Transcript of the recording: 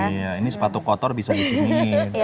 iya ini sepatu kotor bisa di sini